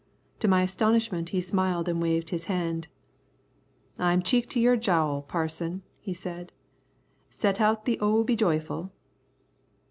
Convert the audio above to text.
To my astonishment he smiled and waved his hand. "I'm cheek to your jowl, Parson," he said; "set out the O be joyful."